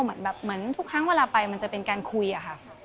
เหมือนแบบเหมือนทุกครั้งเวลาไปมันจะเป็นการคุยอะค่ะ